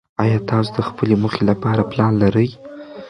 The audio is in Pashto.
ایا تاسو د خپلې موخې لپاره پلان لرئ؟